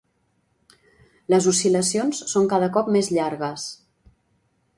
Les oscil·lacions són cada cop més llargues.